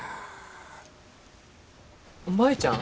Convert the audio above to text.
舞ちゃん。